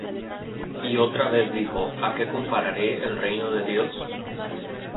Y otra vez dijo: ¿A qué compararé el reino de Dios?